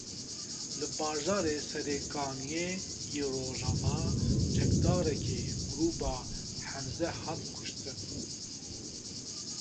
Li bajarê Serê Kaniyê yê Rojava çekdarekî grûpa Hemze hat kuştin.